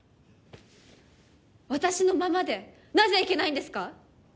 私のままでなぜいけないんですか？